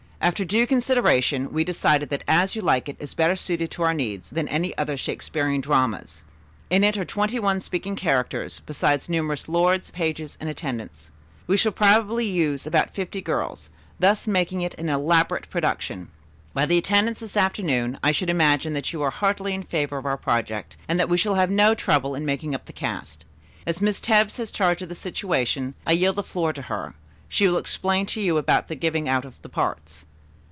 After due consideration, we decided that 'As You Like It' is better suited to our needs than any of the other Shakespearian dramas. In it are twenty one speaking characters, besides numerous lords, pages and attendants. We shall probably use about fifty girls, thus making it an elaborate production. By the attendance this afternoon I should imagine that you are heartily in favor of our project and that we shall have no trouble in making up the cast. As Miss Tebbs has charge of the situation, I yield the floor to her. She will explain to you about the giving out of the parts."